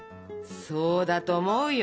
そうだと思うよ！